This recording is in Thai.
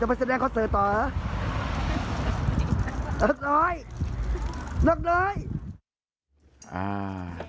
จะไปแสดงคอร์สเซอร์ต่อหรือ